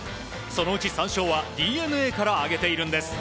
そのうち３勝はＤｅＮＡから挙げているんです。